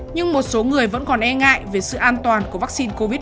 nhưng một số người vẫn còn e ngại về sự an toàn của vắc xin covid một mươi chín